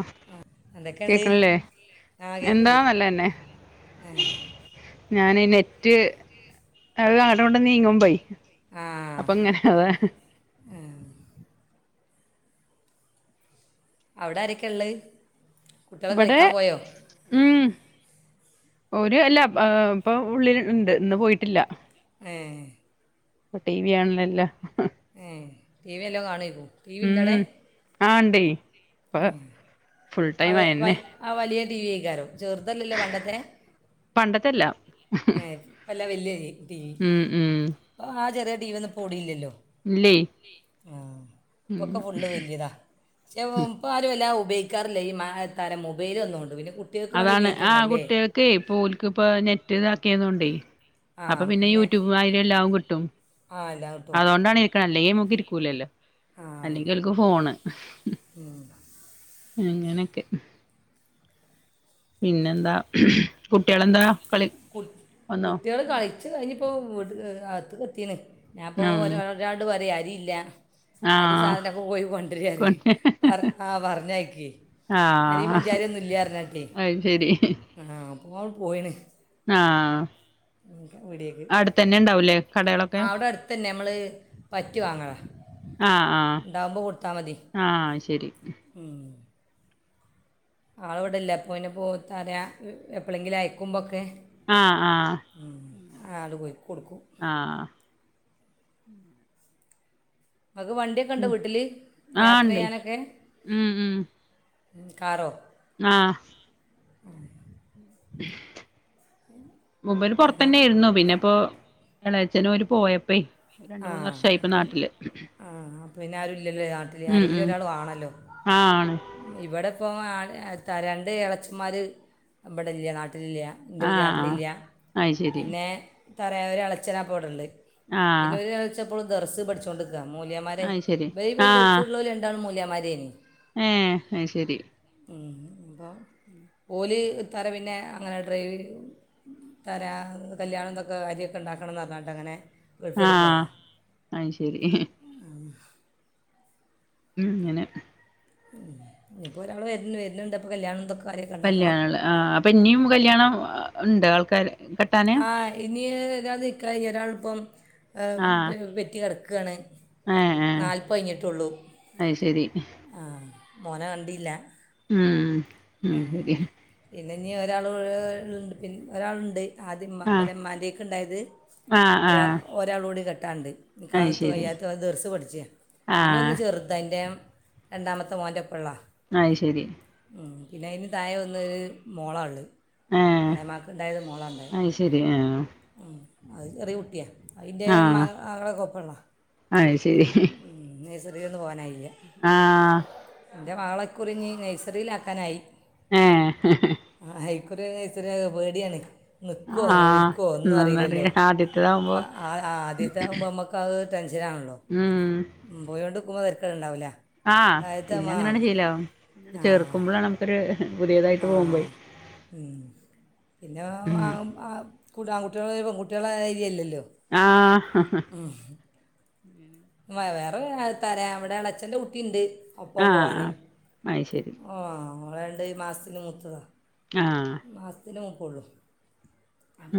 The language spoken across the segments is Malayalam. ആഹ് എന്തൊക്കെയുണ്ട് കേക്കിണില്ലേ ആ എന്താ കേൾക്കുന്നുണ്ട് നല്ലത് തന്നെ ഏ ഞാനെ നെ റ്റ് [unintelligible] നീങ്ങുമ്പോയ് ആ അപ്പൊ ഇങ്ങനെ അതാ അവിടെ ആരൊക്കെയാ ഉള്ളത്? കുട്ടികൾ ഇവിടെ കളിക്കാൻ പോയോ ഉം ഓര് അല്ല ആ ഇപ്പൊ ഉള്ളിൽ ഉണ്ട് ഇന്ന് പോയിട്ടില്ല. ഏഹ് ഇപ്പം ടി വി കാണലെല്ലാ [unintelligible] ടിവിയെല്ലാം കാണേർന്നു. ടിവി ഇണ്ടോ ആടെ? ആ ഇണ്ട്. ഇപ്പൊ ഫുൾ ടൈം അയെന്നെ. ടിവിക്കാലോ ചെറുതല്ലല്ലോ പണ്ടത്തെ? പണ്ടത്തെ അല്ല. ഏ അല്ല വല്യേ ടി വി ഉം ഉം ആ ചെറിയ ടി വി ഒന്നും ഇപ്പൊ ഔടില്യല്ലോ ഇല്ലേ ആ ഉം ഇപ്പൊക്കെ ഫുള്ള് വല്യതാ പക്ഷെ ഇപ്പ ആരും വല്ലാ ഉ ഉപയിക്കാറില്ല ഈ മാഹത് താരം മൊബൈല് വന്നോണ്ട് വല്യ അതാണ് ആ കുട്ടികൾക്ക് ഇപ്പൊ ഓർക്ക് ഇപ്പൊ നെറ്റ് ഇതാക്കിയതൊണ്ടേ അപ്പ പിന്നെ യൂ ട്യൂബ് മാരി എല്ലാം കിട്ടും ആ എല്ലാം കിട്ടും അതുകൊണ്ടാണ് അല്ലെങ്കി മ്മക്ക് ഇർക്കൂല്ലല്ലോ ആ അല്ലെങ്കി ഒർക്ക് ഫോണ് അങ്ങനൊക്കെ പിന്നെന്താ കുട്ടികളെന്താ കളി കുട്ട് വന്നോ കുട്ടിയൾ കളിച്ച് കഴിഞ്ഞ പ്പ് ഇപ്പോ വീട്ട് അകത്തു എത്തിന് ഞാഇപ്പൊ ഉം ഒര ഒരാട് പറയ യില്ല അരി ആഹ് സാധനൊക്കെ പോയി കൊണ്ടിരാര് കൊണ്ട് പറ ആ പറഞ്ഞയക്ക് അരി ആഹ് പഞ്ചാര ഒന്നും ഇല്ലരഞ്ഞാട്ടേ അത് ശരി ആ ഓള് പോയിണ് ആ വീടേക്ക് ആ കടകളൊക്കെ അവിടെ അടുത്ത് തന്നെ നമ്മള് പറ്റ് വാങ്ങലാ ആഹ് ആഹ് ഉണ്ടാവുമ്പോ കൊടുത്താൽ മതി ആഹ് ശരി ആള് ഇവിടെല്ല അപ്പെ പോ തരാ എപ്പോളെങ്കിലും അയക്കുമ്പോക്കെ ആഹ് ആഹ് ആള് പോയിക്കൊടുക്കും ഉ ങ്ങക്ക് വണ്ടിയൊക്കെ ഉണ്ടോ വീട്ടില് ആഹ് യാത്ര ഉണ്ടേ ചെയ്യാനൊക്കെ കാറോ ആ ആ മൂപ്പര് ഞങ്ങൾ പൊറത്തന്നെ യിരുന്നു പിന്നെപ്പോ എളാഛന് ഓര് പോയപ്പേ രണ്ട് ആ മൂന്ന് വർഷായി ഇപ്പ അപ്പ നാട്ടില് ആ അപ്പ പിന്നെ ആരുംല്ലല്ലോ നാട്ടിൽ ഉം ആരെങ്കിലും ഉം ഒരാൾ വേണല്ലോ ആഹ് ആണ് ഇവിടെ പ്പോ ത്ത രണ്ട് എളച്ചന്മാര് ഇവിടെ ഇല്ല നാട്ടി ല്ല്യ എൻ്റെ പുതിയ ആഹ് ആപ്പിളി ആഹ് ഇല്ല അത് ശരി പിന്നെ തറയാ ഒരു അളച്ചനാപ്പം ഇവിടെ ഇല്ലേ പിന്നെ ആഹ് ഒരു ഇളയച്ഛൻ എപ്പളും ദറസ് പഠിച്ചോണ്ട് മൂല്യാമാരായ് അയ് ശരി ബെല് ആഹ് ഗൾഫ്ലോൽ രണ്ടാളും മൂല്യാമാ മരേനി ഏഹ് അയ്ശരി ഉം ഓല് തര പിന്നെ അങ്ങനെ ഡ്രൈവ് തര കല്ല്യാണംന്തൊക്കെ കാര്യമൊക്കെ ഉണ്ടാക്കണംന്ന് പറഞ്ഞിട്ട് അങ്ങനെ ഗൾഫ് ആ വരെ പോയതാണ് അയ് ശരി ഉം ഇങ്ങനെ ഇപ്പൊ ഒരാള് വര്ന് വര്ന്ണ്ട് അപ്പ കല്യാണം ഇതൊക്കെ കാര്യമൊക്കെ ഉണ്ടാക്കണം കല്യാണ ള് അപ്പൊ ഇനിയും കല്യാണം ഇണ്ട് ആൾ കര ആ ഇനി ഒരാളത് നിക്കാഹ് കഴിഞ്ഞ് ഒരാൾ ഇപ്പം ആഹ് പെറ്റ് കെടക്ക ക്കാണ് ഏഹ് ഏഹ് നാൽപ്പ് കയ്ഞ്ഞിട്ടൊള്ളൂ അയ് ശരി മോനെ കണ്ടില്ല ഉം ഉം ശര്യാ പിന്ന ഇനി ഒരാള് [unintelligible] ണ്ട് പിൻ ഒരാള്ണ്ട് ആദ്യം ഇമ്മ ആഹ് ഇബലെ ഇമ്മാൻ്റെയ്ക്ക് ഇണ്ടായത് ആഹ് ഒരാൾ ആഹ് ഒരാളൂട്ട്ടി കെ ട്ടാണ്ട് ഈ അയ് കാലത്ത് ശരി വയ്യാത്തവൻ ദെർസ് പഠിച്ച പിന്നെ ഒന്ന് ആഹ് ചെറുത ഇൻ്റെ രണ്ടാമത്തെ മോൻറ്റപ്പള്ളതാ അയ് ശരി ആ പിന്നെ അതിന് താഴ ഒന്ന് മോള ഉള്ളത് ഏഹ് എളേമാക്ക് ഇണ്ടായത് മോളാ ഇണ്ടായെ അയ് ശരി ആഹ് ഉം അത് ചെറിയ കുട്ടിയാ അയിൻ്റെ മ മകളെക്കെ ഒപ്പള്ളതാ അയ്ശരി ന്ന് പോവാനായില്ല്യ ഇൻ്റെ മകളെ ഇക്കുറിഞ്ഞി നഴ്സറിയിലാക്കാനായി ഏ ആ, ഇക്കുറി നഴ്സറിയിൽ ആ [unintelligible] പേടിയാണ് നിക്കോ ആഹ് നൊലോളിക്കോ ഒന്നു എന്നന്നറിയ അറീലല്ലോ ആദ്യത്തതാവുമ്പോ പ്പ അ ആദ്യത്തെ ആവുമ്പൊ അമ്മക്കത് ടെൻഷനാണല്ലോ പോയൊണ്ട്ക്കുമ്പം തെര അത്ര ഉണ്ടാവൂല ആ പിന്നെ അങ്ങനെയാണ്ട് ശീലാവും ആ ചേർക്കുമ്പളാണ് നമുക്കൊര് ആ ഉം പിന്നെ ഉം ആൺകുട്ടിയേള് പെൺകു കുട്ട്യേള മായിരി അല്ലല്ലോ ആഹ് [unintelligible] വേറെ [unintelligible] തര വിടെളച്ഛന്റെ കുട്ടിണ്ട് ഒപ്പംപോവാന് ആഹ് അത് ശരി ആ ഓ ളെ രണ്ട് മാസ്‌ത്തിന് മൂത്തതാ ആഹ് മാസ്ത്തിന് മൂ ളൂ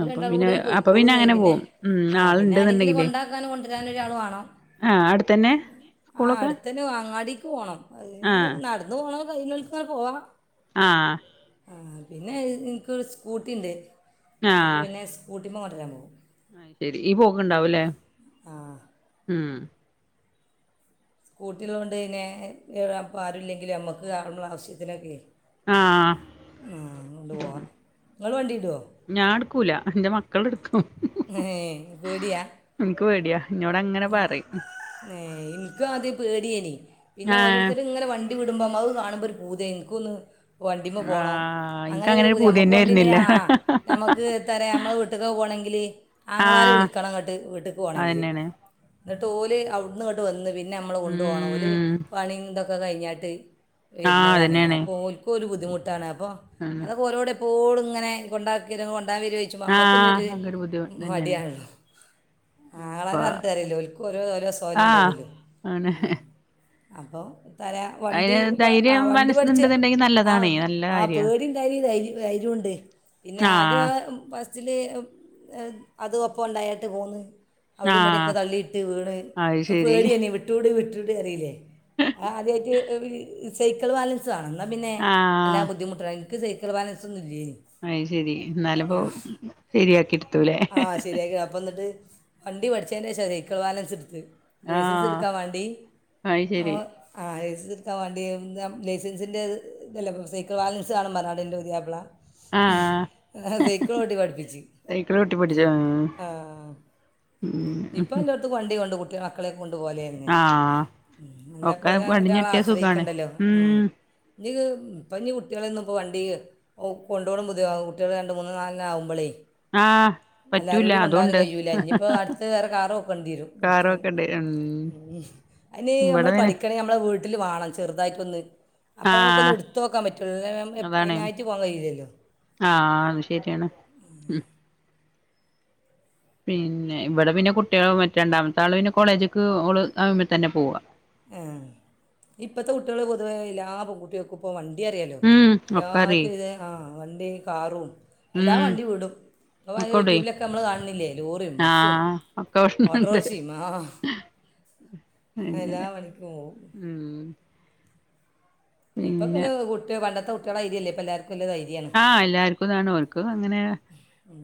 അപ്പൊ പിന്നെ അപ്പൊ പിന്നെ അങ്ങനെ പോകും ഉം ആള്ണ്ട്ന്ന്ണ്ടെങ്കില് ഞാനൊരാളുവാണോ ആ സ്കൂളൊക്കെ അടുത്തന്നെ അങ്ങാടി പോണം അതിന് ആഹ് നടന്ന്പോണം കയ്യിണോല്ക്ക്ങ്ങനെ പോവാ ആ ആ പിന്നെ ഇൻക്കൊരു സ്കൂട്ടിണ്ട് അപ്പ പിന്നെ സ്കൂ രീമ്പോ കൊണ്ടരാൻ പോവും ഐശെരി ഈ പോക്ക്ണ്ടാവില്ലെ അ ഉം സ്കൂട്ടിള്ളോണ്ട് ന്നെ പ്പ ആരുമില്ലെങ്കിലും നമ്മക്ക് കാണു ആവശ്യത്തിനൊക്കെ ആഹ് ആ ആണ്ട്പോവാ ങ്ങള് വണ്ടിടോ ഞാൻ എടുക്കൂല എന്റെ മക്കളെടുക്കും ഏ പേടിയാ എനിക്ക് പേടിയാ എന്നോട് അങ്ങനെ പറയും ഏ എനിക്കും ആദ്യ പേടിയേനി പിന്നെ ആഹ് ഓരോരുത്തര്ങ്ങനെ വണ്ടി ണ്ടി വിടുമ്പോം അത് കാണുമ്പൊരു പൂതിയ ഇൻക്കൊന്ന് വണ്ടിമ്മപോണം ആഹ് എനിക്കങ്ങനെ അങ്ങനെയൊക്കൊരു ഒരു പൂതി പൂതിയന്നെ നമ്മക്കുവണ്ടിണ്ടങ്കി വരുന്നില്ല ആ ആ ആ നമ്മക്ക് എത്തറിയ നമ്മളെ വീട്ടിക്കൊക്കേ പോണങ്കില് ആങ്ങളാരെ ആഹ് വിളിക്കണംങ്ങട്ട് വീട്ട്ക്ക് പോണങ്കില് അതന്നെയാണ് ന്നിട്ട് ഓല് അവിടന്ന്ങ്ങട്ട് വന്ന് പിന്നെ ന്നെ മ്മളെ കൊണ്ടു പോണം ഓല് ഉം പണിം തൊ ക്കെ കഴിഞ്ഞാട്ട് ആഹ് വരുന്നതാണെ അതന്നെയാണ് അപ്പോ ഒൽക്കൊരു ബുദ്ധിമുട്ട് ട്ടാണ് അ പ്പൊ ആണ് അതൊക്കെ ഓലോട് പ്പോളുങ്ങനെ കൊണ്ടാക്കിരോ കൊണ്ട ണ്ടാവരോയ്ച്ചുമ്പം ഞമ്മക്കന്നൊരു ആഹ് അതൊരു ബുദ്ധിമുട്ട് തന്നെയാണ് മടിയാൺലോ അപ്പൊ ആങ്ങളാരാ ർ ഓല്ക്കോരോ ഓരോ ആഹ് സ്വയല്ണ്ടാവല്ലോ ആണ് ഉം [inaudible] അപ്പം- തരാം അതിന് ധൈര്യം വണ്ടി പഠിച്ച് മനസ്സുണ്ടെന്നുണ്ടെങ്കിൽ നല്ലതാണേ നല്ല ആ കാര്യ പേടിഉണ്ടായി, ധൈര്യമുണ്ട് ആഹ് ആദ്യംആ ഫസ്റ്റ് അതിൽ അതും ഒപ്പം ഉണ്ടായിട്ട് പോന്നു ആ തള്ളിയിട്ട് വീണ്കഴിഞ്ഞാൽ പേടി എന്നെ വിട്ട് വിട്ടു വിട്ട് കരയില്ലേ, ആദിയമിട്ട് സൈക്കിള് ബാലൻസ് - എന്നാ പിന്നെ എല്ലാ ആഹ് ബുദ്ധിമുട്ടുകളും നിനക്ക് സൈക്കിൾ ബാലൻസ് ഒന്നുല്ല? അത് ശരി എന്നാലിപ്പോ ശരിയാക്കി എടുത്തൂലേ ആ ശരിയാക്കി അപ്പം എന്നിട്ട് വണ്ടി പഠിച്ച ശെന്ന [inaudible] ശരി സൈക്കിൾ ബാലൻസ് എടുത്ത് ലൈസൻസ് ആഹ് എടുക്കാ വേണ്ടി അത് ഓ ശരി ആ ലൈസ് ത്ത വേണ്ടിയ എന്താ ലൈസൻസിൻ്റെ ഇത് ഇതല്ലാപ്പം സൈക്കിൾ വാലൻസ് വേണം പറഞ്ഞാണ്ട് ന്റെ പുതിയാപ്ല. ആഹ് ഹാ സൈക്കിളോട്ടി പഠിപ്പിച്ച് സൈക്കിള് ചവിട്ടി പഠിച്ചോ ആ ഇപ്പൊ ഉം എല്ലാടത്തു വണ്ടി കൊണ്ടു കൊടു ക്കിയാക്കളെ കൊണ്ടു പോവാലെങ്ങനെ ആഹ് എന്നേ ഒക്കെ പോലെ ഒരാളെ പടിഞ്ഞെട്ടിയ സുഖാണ് ആശ്രയിക്കണ്ടല്ലോ ഉം മ്മ് ഇനിക്ക് ഇപ്പ ഇനി കുട്ടികളെ ഒന്നും ഇപ്പോ വണ്ടിയില് കൊണ്ടോണം ബുദ്ധിയാവു കുട്ടികള് രണ്ട് മൂന്ന് നാല് ആവുമ്പളേ ആ എല്ലാരൂടി കൊണ്ടാനും കഴിയൂല ഇനിയിപ്പോ അടുത്ത് വേറെ കാറോക്കേണ്ടിവരും കാറൊക്കെ ഉണ്ട് ഉം ഇനി നമ്മൾ ഇവിടെ പിന്നെ പഠിക്കണെ നമ്മള വീട്ടിൽ വാണം ചെറുതായിട്ടൊന്ന് അപ്പഴമുക്കൊന്ന് ആഹ് എടുത്ത് നോക്കാൻ പറ്റു ല്ലേ എപ്പ അതാണ് അയിനായിട്ട് പോവാൻ കഴിയൂലല്ലോ ആഹ് ആണ് ശരിയാണ് ഉം പിന്നെ ഇവിടെ പിന്നെ കുട്ടികള് മറ്റേ രണ്ടാമത്തെ ആള് പിന്നെ കോളേജ്ക്ക് ഓള് ആവുമ്പ തന്നെ പോവാ. ആ ഇപ്പത്തെ കുട്ടികള് പൊതുവേ എല്ലാ പെൺകുട്ടികൾക്കും ഇപ്പ വൺ അറിയാലോ ഉം ഒക്കെ അറിയേ എല്ലാവർക്കു ഇത് ആ വണ്ടിയും കാറും എല്ലാ ഉം വണ്ടിയും വിടും [unintelligible] ഒക്കോടെ യൂട്യൂബിൽ ഒക്കെ നമ്മള് കാണുന്നില്ലേ ലോറിയും ബസ്സും ആഹ് ഒക്കെ ഉണ്ട് ഓട്ടോറിക്ഷയും ആഹ് ഹ എല്ലാ അങ്ങനെ പണിക്കും പോവും ഉം ഇപ്പൊ പിന്നെ കുട്ടിയ പണ്ടത്തെ കു ക്കള രീതി അല്ലേ ഇപ്പൊ എല്ലാരും ആഹ് എല്ലാർക്കുംതാണ് ഓർക്ക് അങ്ങനെ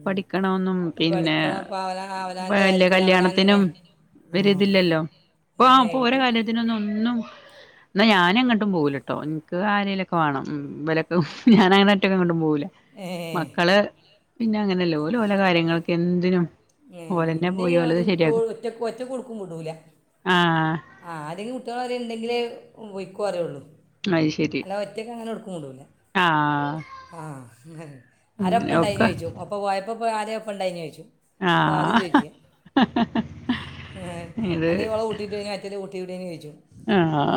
പഠിക്കണോന്നും ഈ പിന്നെ പഠിക്കണം ഇപ്പം അവന അവനാൻ്റെ വല്ല കാര്യത്തിന് അവനാൻ തന്നെ കല്യാണത്തിനും ആ ഒരിതില്ലല്ലോ അപ്പ ഏ ആപ്പ ഓര കുട്ടി കാര്യത്തിനൊന്നും ഒന്നും എന്നാ ഞാനെങ്ങോട്ടും പോകുലട്ടോ നിക്ക് ആരേലൊക്കെ വേണം ഇവരൊക്കെ ഞാനങ്ങന ട്ടികൾ കൊണ്ടും പോവൂല ഏ മക്കള് പിന്നെ അങ്ങനല്ലേ ഓരു ഓര കാര്യങ്ങൾക്ക് എന്തിനും ഏ ഓലന്നെ പിന്നെ പോയി ഓല് ഓലത് ഓള് ശരിയാക്കും ഒറ്റ ഒറ്റക്ക് ഒടുക്കും വിടൂല ആഹ് ആ ആരെങ്കിലും കുട്ടികള് അതിണ്ടെങ്കിലെ വോയ്ക്കോ പറയുള്ളൂ അത് ശരി അല്ലാ ഒറ്റക്കനെ എവ്ട്ക്കും വിടൂല ആഹ് ആ ഹ് ആരാ അങ്ങനെ ഒപ്പം ണ്ടായിന് ഒക്കെ ചോദിച്ചും ഒപ്പം പോയപ്പം ഇപ്പൊ ആരൊപ്പണ്ടായിനെ ഓയ്ക്കും അതാദ്യം ആഹ് ചോയിച്ച് ഏ അല്ല ഇത് ഓളെ കൂട്ടിട്ട് കുട്ടിവിടെന്ന് ചോയ്ച്ചും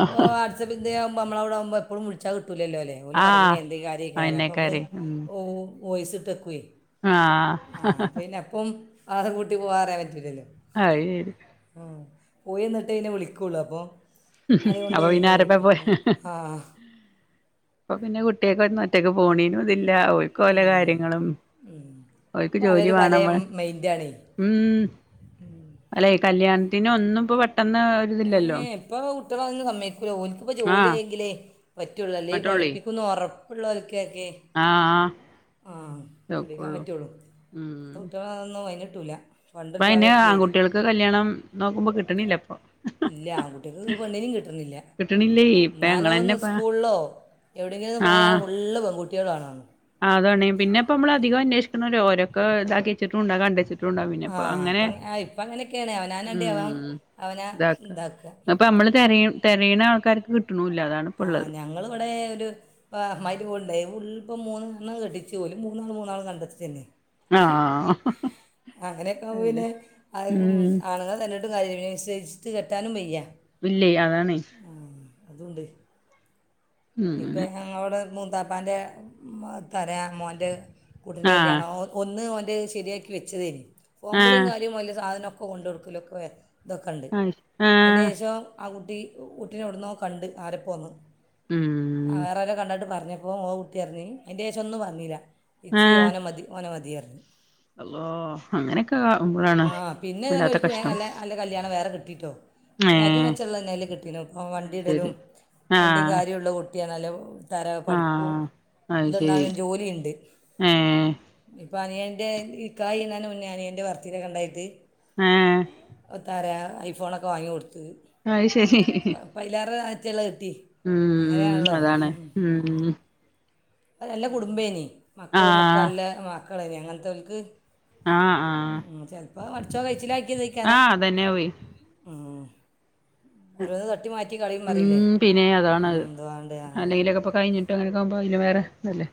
അപ്പൊ വാട്സപ്പിത്തെയോ ഇപ്പമ്മളവിടാവുമ്പോ എപ്പളും വിളിച്ചാ കി ത്തുലേല്ലോ ഓല് ഉറങ്ങേ ആഹ് എന്തേലും കാര്യേ കാരം അപ്പമ്മള് അയന്നെക്കാരെ ഓ വോയിസിട്ടേക്കുവേ. ആ അതും കൂട്ടി പോറയാൻ പറ്റൂല്ലല്ലോ അയ് ശെരി. പോയി നി തിനെ വിളിക്കുള്ളൂ അപ്പോ അപ്പോ പിന്നെ ആരിപ്പോ പോയേ ആ ഇപ്പോ പിന്നെ കുട്ടിയൊക്കെ ഒന്ന് ഒറ്റക്കക്ക് പോണീനും ഇതി ല്ലാ ഓല്ക്ക് ഓല കാര്യങ്ങളും ഓല്ക്ക് ജോലി പലരും പല വേണം വ മൈൻഡാണേ ഉം അല്ലെ കല്യാൺ പിന്നെ ഒന്നും ഇപ്പോ വെ ട്ടെന്നാ ഒരുതില്ലല്ലോ ഇപ്പോ കുട്ടികള അതൊന്നും സമ്മയക്കില്ല ഓല്ക്ക്പ്പോ ജോലി ആയെങ്കിലേ പറ്റുള്ളൂ അല്ലേൽ ഇങ്ങട്ടുള്ളേ പഠിപ്പിക്കുംന്ന് ഒറ പ്പ്ള്ളോര് കേ ക്കെ ആഹ് ആഹ് ആ വിളിക്കാൻ നോക്കുള്ളൂ പറ്റുള്ളൂ ഉം പ്പോ കുട്ടികളൊന്നും വയങ്ക ട്ടൂല്ല ഇപ്പ അയിന് ആങ്കുട്ട്യോൾക്ക് കല്ല്യാണം നോക്കുമ്പോ കിട്ടണില്ല ഇപ്പൊ ഇല്ല ആകുട്ട്യോക്ക് പ്പോ പെണ്ണിനേം കിട്ടുന്നില്ല കിട്ടണില്ലേ ഇപ്പ ന്നാലോ ഒന്ന് ഞങ്ങളന്നെ ഇപ്പ സ്കൂളിലോ എവിടെങ്കിലും ഒന്ന് പോയാ ഫുള്ള് പെങ്കുട്ട്യോ കുട്ട്യോളാണോ അതാണെ പിന്നെപ്പമ്മളധിക അന്വേഷി ന്നാലും ഒരൊക്കെ ഇതാക്ക്യേച്ചിട്ടുംണ്ടാവും കണ്ടെച്ചിട്ടുണ്ടാവും ആ പിന്നെപ്പോ അങ്ങനെ ഇപ്പം ആ ഇപ്പം അങ്ങനെയൊക്കെയാണ് അവനവൻ്റെ അവൻ ഉം അവനെ ഇതാക്ക ഇതാക്കുക അപ്പമ്മള് തെരയ തെരയണ ആൾക്കാ ആഹ് ഞങ്ങളിവിടെ ഒരു പ മരിവുണ്ടേ [unintelligible] ഇപ്പം മൂന്നെണ്ണം കെട്ടിച്ചുപോലും മൂന്നും മൂന്നാള് കണ്ടെത്തി തന്നെയാ ഹ് ആഹ് മ് അങ്ങനെയൊക്കാവുമ്പ അതന്നെ പിന്നെ ആ ഉം ആണുങ്ങള് അത് തെരഞ്ഞ ഒരു കാര്യോല്ല വിസ്വസിച്ചിട്ട് കെട്ടാനും വയ്യ വില്ലേയ് അതാണെ അതുണ്ട് ഇപ്പ അങ്ങനെ [unintelligible] വാപ്പാൻ്റെ [unintelligible] ത്തറ്യ മോന്റെ കുട്ടിന്റെ ആഹ് കല്യാണം ഒന്ന് ഓൻ ഹ് െശരിയാക്കി വെച്ചതേനി ഫോൺ ആഹ് വിളിംകാര്യുംവല്യ സാധനൊ [unintelligible] പ്പ കൊണ്ടൊട്ക്കലൊക്കെ വർ തൊക്കെണ്ട് ആഹ് ആഹ് അയ്ന്റേഷം ആ കുട്ട ട്ടി [unintelligible] ഉട്ടിനൊട്ന്നോ കണ്ട് ആരൊപ്പോന്ന് ഉം ആറര കണ്ടാട്ട് പറഞ്ഞു ഒ ഓ ഉട്ട്യർഞ്ഞ് അയ്ന്റേ ശൊന്നുംപറഞ്ഞില ഇച്ച് ഓനമതി ഓനമതി [unintelligible] അള്ളാഹ് അങ്ങനെയൊക്കെ ആക്കുമ്പോഴാണ് ആ വല്ലാത്ത കഷ്ടം [unintelligible] ഏറ്റവും ഏഹ് മെച്ച്ള്ളത് എന്തായാലും കിട്ടില്ല ഇപ്പൊ വണ്ടി അത് ഇടലും ശരി വണ്ടി ആഹ് കാരി പൊട്ടിയാണല്ലോ തറ പഠിപ്പും ആഹ് അത് ശരി എന്തുണ്ടാവൻ ജോലിയിണ്ട്. ഏഹ് അപ്പോം, അനിയൻ്റെ നിക്കാഹ് കഴിയുന്ന മുന്നേ അനിയന്റെ വർത്തിനെ കണ്ടായിട്ട് ആ തറ ഐഫോണൊക്കെ വാങ്ങി കൊടുത്ത് അത് ശരി [unintelligible] തെള് തി ഉം, അതാണ് ഉം നല്ല കുടുംബേനി, മക്കളൊ മൊക്കെ നല്ല മക്കളന്നെ അങ്ങനെത്തവൽക്ക് ആ ആ പൊ മറിച്ചോ കഴിച്ചിലായ് ആ തന്നെ പോയി ഇം ഓരോന്ന് തട്ടി മാറ്റി കളയുമ്പോ അറിയില്ലേ, ഉം പിന്നെ ഇം അതാണത് എന്തുവാണ്ട് പിന്നെ വേറെ നല്ലേ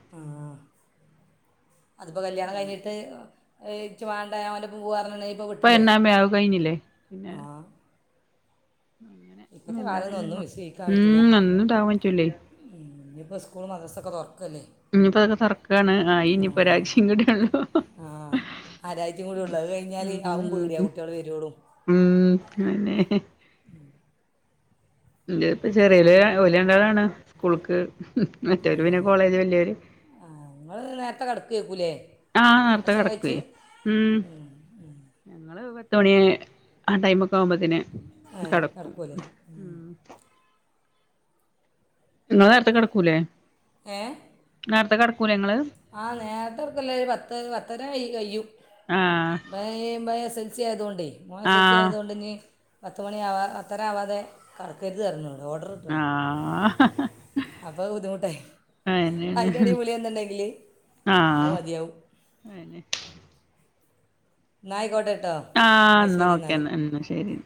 അതിപ്പോ കല്യാണം കഴിഞ്ഞിട്ട് എക്ക് വേണ്ട ഞാൻഅവൻ്റൊപ്പം പോവാന്ന് ഇപ്പ എന്നാമ്മേ അതൊക്കെ കഴിഞ്ഞില്ലേ പിന്നെ ഇപ്പത്തെ എന്താണേലും കാലന്നൊന്നും ഇപ്പൊ വിശ്വയ്ക്കാൻ പറ്റൂല്ല ഉം ഒന്നും ഇണ്ടാവാൻ പറ്റൂലേ ഇപ്പ സ്കൂളും മദ്രസ്സൊക്കെ തൊറ ഇനിപ്പോ അതൊക്കെ തുറക്കാണ് ആ ഇനി ഇപ്പൊ ഒരാഴ്ചകൂടിയുള്ളൂ. ആ ആരാഴ്ചയും കൂടി ഉള്ളത് കഴിഞ്ഞാൽ ആവും പേടിയാ ഉം കുട്ടികൾ വരുവോളൂ ഉം അന്നെ ഇ ഇതിപ്പ ചെറിയലെ ഓല് രണ്ടാളാണ് സ്കൂള്ക്ക് മറ്റൊര് പിന്നെ കോളേജ് വല്യവര് ക്കേക്കൂലേ ആനേർത്തെ കിടക്കുവേ ഉം ഞങ്ങള് ട്ടു മണിയെ ആ ടൈമൊ ക്കാവുമ്പത്തിന് ഏ കടക്കും കിടക്കുമല്ലേ നിങ്ങള് നേരത്തെ കെടക്കൂലേ ഏ നേരത്തെ കെട ആ നേരത്തെ കെടത്തല്ലെ ഒര് പത്ത്പത്തര കഴിയും ആഹ് ഭ ഇ ഇഭ എസ് എസ് ഉച്ച ആയതോണ്ടെ മോൻ എസ് എസ് എൽ സി ആഹ് ആയോണ്ടിനി പത്ത്മണിയാവാ പത്തരയാവാതെ കടക്കരുതരുന്ന് പറഞ്ഞു ആ അപ്പൊ ബുദ്ധിമുട്ടായി അതിന്റെടി വിളി വന്നുണ്ടെങ്കില് അത് ആഹ് മതിയാവും അതെന്നെ നായിക്കോട്ടെ ആ എന്ന ഓക്കെ അന്നാ എന്ന ശരി